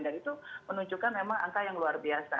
dan itu menunjukkan memang angka yang luar biasa